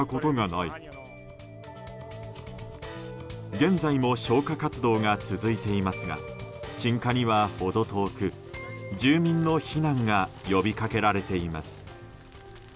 現在も消火活動が続いていますが鎮火には程遠く、住民の避難が呼びかけられています。